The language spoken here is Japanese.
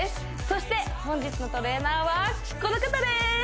そして本日のトレーナーはこの方です